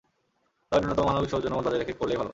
তবে ন্যূনতম মানবিক সৌজন্যবোধ বজায় রেখে করলেই ভালো।